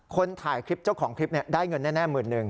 คนถ่ายคลิปเจ้าของคลิปได้เงินแน่หมื่นหนึ่ง